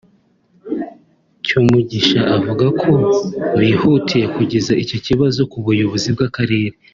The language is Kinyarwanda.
Cyomugisha avuga ko bihutiye kugeza icyo kibazo ku buyobozi bw’Akarere